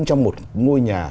trong một ngôi nhà